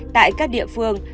tại các địa phương